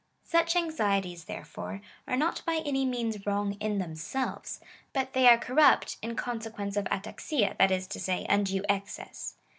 Such anxieties, there fore, are not by any means wrong in themselves, but they are corruj)t, in consequence of ara^ia, that is to say, undue excess.